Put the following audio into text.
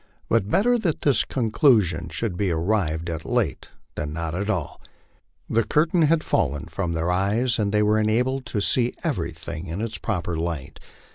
But better that this conclusion should be arrived at late than not at all. The curtain had fallen from their eyes, and they were enabled to see everything in its proper light.